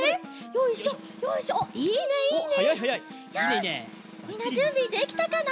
よしみんなじゅんびできたかな？